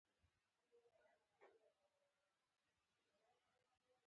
دا ښار د خرسونو پلازمینه ده.